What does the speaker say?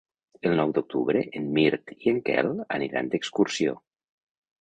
El nou d'octubre en Mirt i en Quel aniran d'excursió.